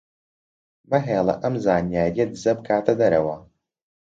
مەهێڵە ئەم زانیارییە دزە بکاتە دەرەوە.